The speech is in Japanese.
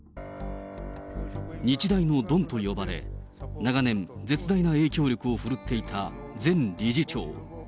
日大のドンと呼ばれ、長年、絶大な影響力を振るっていた前理事長。